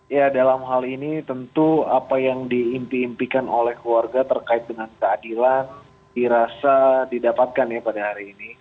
ya dalam hal ini tentu apa yang diimpi impikan oleh keluarga terkait dengan keadilan dirasa didapatkan ya pada hari ini